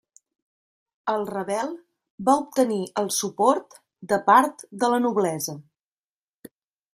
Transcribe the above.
El rebel va obtenir el suport de part de la noblesa.